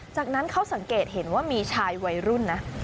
จากนั้นเขาสังเกตเห็นว่ามีชายวัยรุ่นนะ